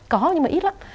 có nhưng mà ít lắm